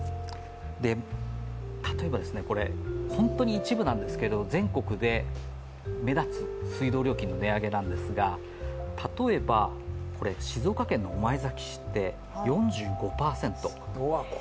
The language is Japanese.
例えば、これ、本当に一部なんですけれども、全国で目立つ水道料金の値上げなんですが、例えば静岡県の御前崎市って、４５％。